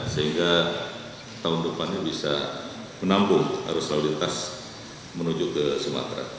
sehingga tahun depannya bisa menampung arus lalu lintas menuju ke sumatera